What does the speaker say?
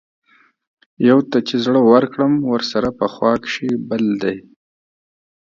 يو ته چې زړۀ ورکړم ورسره پۀ خوا کښې بل دے